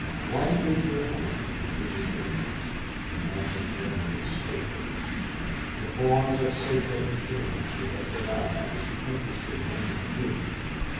One feature only he treated with interest, and that was Germany's social work. The forms of social insurance she had devised interested him keenly.